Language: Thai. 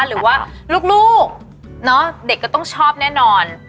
หรือว่าลูกเด็กก็ต้องชอบแน่นอน